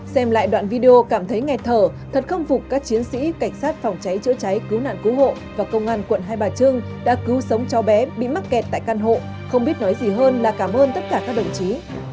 xem lại đoạn video cảm thấy nghẹt thở thật khâm phục các chiến sĩ cảnh sát phòng cháy chữa cháy cứu nạn cứu hộ và công an quận hai bà trưng đã cứu sống cháu bé bị mắc kẹt tại căn hộ không biết nói gì hơn là cảm ơn tất cả các đồng chí